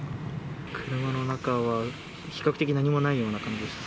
車の中は比較的、何もないような感じでした。